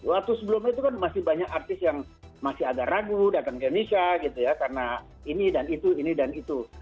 waktu sebelumnya itu kan masih banyak artis yang masih agak ragu datang ke indonesia gitu ya karena ini dan itu ini dan itu